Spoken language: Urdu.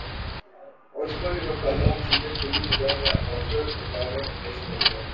اور صبح کے وقت تازہ آکسیجن کھلی فضا میں وافر مقدار میں میسر ہوتی ہے